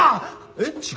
えっ違う？